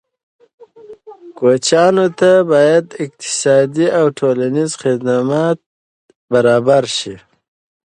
کوچیانو ته باید اقتصادي او ټولنیز خدمات برابر شي.